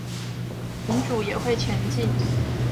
民主也會前進